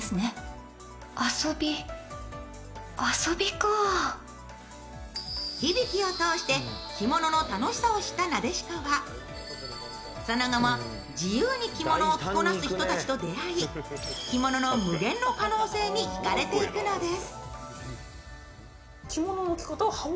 更に響を通して着物の楽しさを知った撫子はその後も自由に着物を着こなす人々と出会い着物の無限の可能性にひかれていくのです。